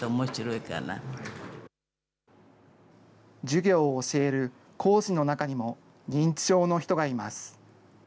授業を教える講師の中にも、認知症の人がいます。